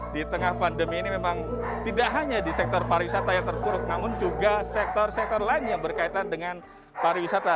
di tengah pandemi ini memang tidak hanya di sektor pariwisata yang terpuruk namun juga sektor sektor lain yang berkaitan dengan pariwisata